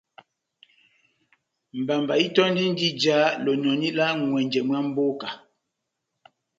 Mbamba itöndindi ijá lonòni lá n'ŋwɛnjɛ mwa mboka.